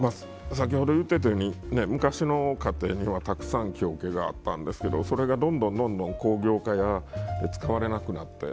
先ほど言ってたように昔の家庭にはたくさん木桶があったんですけどそれがどんどんどんどん工業化で使われなくなって。